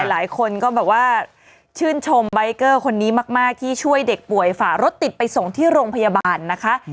หลายคนก็แบบว่าชื่นชมใบเกอร์คนนี้มากที่ช่วยเด็กป่วยฝ่ารถติดไปส่งที่โรงพยาบาลนะคะ